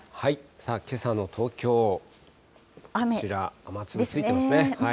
さあ、けさの東京、こちら、雨粒ついてますね。